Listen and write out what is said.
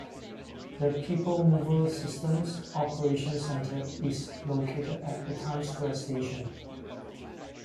The People Mover system's operations center is located at the Times Square Station.